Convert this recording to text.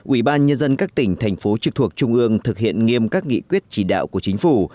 ủy ban nhân dân các tỉnh thành phố trực thuộc trung ương thực hiện nghiêm các nghị quyết chỉ đạo của chính phủ